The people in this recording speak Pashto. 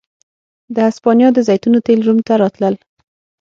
د هسپانیا د زیتونو تېل روم ته راتلل